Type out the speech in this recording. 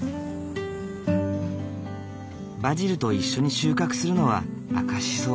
バジルと一緒に収穫するのはアカシソ。